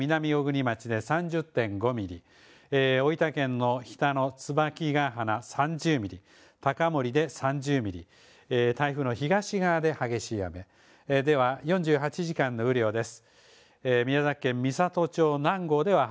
九州では熊本県南小国町で３０．５ミリ、大分県の日田椿ヶ鼻３０ミリ、たかもりで３０ミリ台風の東側で激しい雨、では４８時間の雨量です。